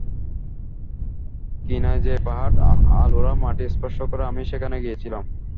কিনাই, যেই পাহাড়ে আলোরা মাটি স্পর্শ করে, আমি সেখানে গিয়েছিলাম।